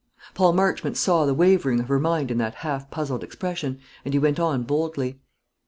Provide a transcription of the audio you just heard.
Paul Marchmont saw the wavering of her mind in that half puzzled expression, and he went on boldly.